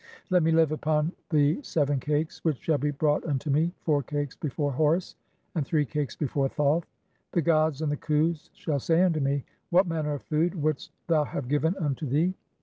Let me live upon the "(5) seven cakes which shall be brought unto me, four cakes "before Horus, and three cakes before Thoth. The gods and "the Khus shall say unto me, 'What manner of food wouldst "thou have given unto thee?'